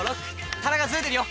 田中ずれてるよ。